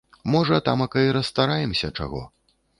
Можа тамака й расстараемся чаго.